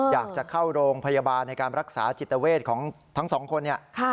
อยากจะเข้าโรงพยาบาลในการรักษาจิตเวทของทั้งสองคนเนี่ย